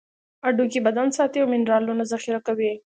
هډوکي بدن ساتي او منرالونه ذخیره کوي.